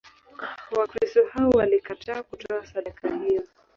Wakristo hao walikataa kutoa sadaka hiyo.